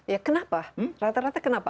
ya kenapa rata rata kenapa